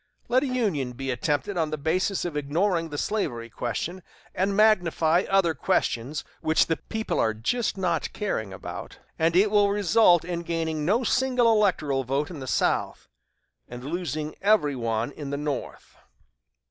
Let a union be attempted on the basis of ignoring the slavery question, and magnifying other questions which the people are just now not caring about, and it will result in gaining no single electoral vote in the South, and losing every one in the North."